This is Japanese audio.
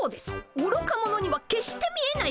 おろか者には決して見えない？